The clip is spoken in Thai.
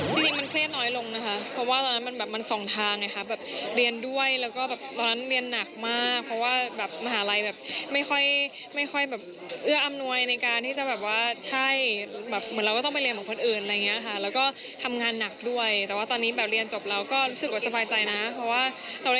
จริงมันเครียดน้อยลงนะคะเพราะว่าตอนนั้นมันแบบมันสองทางไงคะแบบเรียนด้วยแล้วก็แบบตอนนั้นเรียนหนักมากเพราะว่าแบบมหาลัยแบบไม่ค่อยไม่ค่อยแบบเอื้ออำนวยในการที่จะแบบว่าใช่แบบเหมือนเราก็ต้องไปเรียนเหมือนคนอื่นอะไรอย่างเงี้ยค่ะแล้วก็ทำงานหนักด้วยแต่ว่าตอนนี้แบบเรียนจบเราก็รู้สึกว่าสบายใจนะเพราะว่าเรา